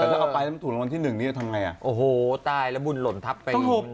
แต่ถ้าเอาไปถูกรวมที่๑นี่จะทำไงอะโอ้โฮตายแล้วบุญหล่นทับไปต้องถูก